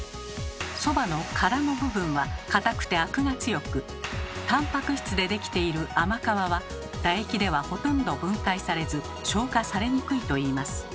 そばの殻の部分は硬くてアクが強くたんぱく質で出来ている甘皮は唾液ではほとんど分解されず消化されにくいといいます。